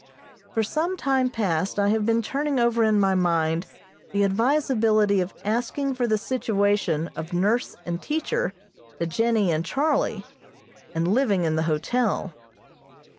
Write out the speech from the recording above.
For some time past I have been turning over in my mind the advisability of asking for the situation of nurse and teacher to Jennie and Charlie, and living in the hotel.